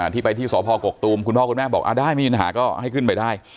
ที่ไปที่สพกกตูมคุณพ่อคุณแม่บอกได้ไม่มีปัญหาก็ให้ขึ้นไปได้